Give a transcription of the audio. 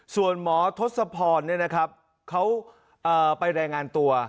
ส่วนหมอทศพรเขาไปรายงานตัว